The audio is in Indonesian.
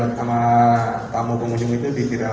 iya sama tamu pengunjung itu di videokan